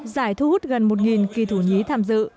giải thu hút gần một kỳ thủ nhí tham dự